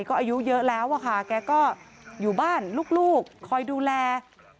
ก็อายุเยอะแล้วอะค่ะแกก็อยู่บ้านลูกคอยดูแล